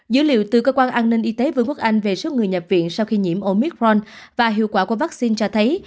dữ liệu từ cơ quan an ninh y tế vương quốc anh về số người nhập viện sau khi nhiễm omicron và hiệu quả của vaccine cho thấy